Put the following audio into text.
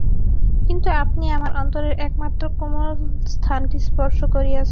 কিন্তু আপনি আমার অন্তরের একমাত্র কোমল স্থানটি স্পর্শ করিয়াছেন।